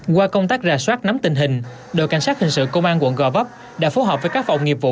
qua công tác rà soát nắm tình hình đội cảnh sát hình sự công an quận gò vấp đã phối hợp với các phòng nghiệp vụ